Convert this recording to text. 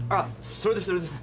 それですそれです。